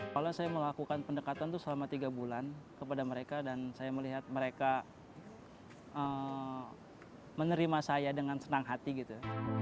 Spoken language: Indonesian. kalau saya melakukan pendekatan itu selama tiga bulan kepada mereka dan saya melihat mereka menerima saya dengan senang hati gitu